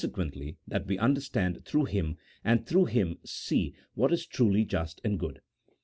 quently that we understand through Him, and through Him see what is truly just and good.